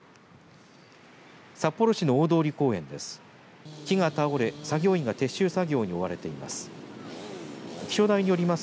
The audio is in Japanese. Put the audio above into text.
札幌市の大通公園です。